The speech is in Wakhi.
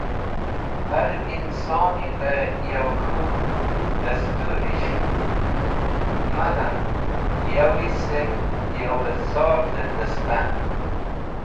Har insoni bẽ yo k̃hũ dẽsturish magam yawi sirf yawẽ zotẽ dẽstan.